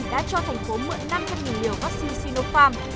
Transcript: đã cho thành phố mượn năm trăm linh liều vaccine sinopharm